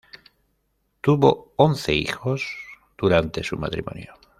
Tuvo once hijos durante su matrimonio.